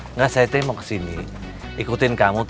nggak saya mau kesini ikutin kamu